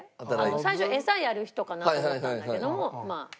最初餌やる人かなと思ったんだけどもまあ。